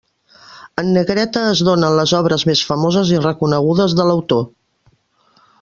En negreta es donen les obres més famoses i reconegudes de l'autor.